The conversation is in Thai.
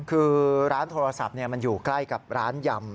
คือร้านโทรศัพท์มันอยู่ใกล้กับร้านยำ